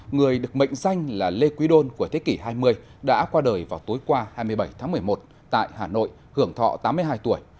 người được mệnh danh là lê quý đôn của thế kỷ hai mươi đã qua đời vào tối qua hai mươi bảy tháng một mươi một tại hà nội hưởng thọ tám mươi hai tuổi